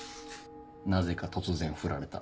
なぜか突然振られた。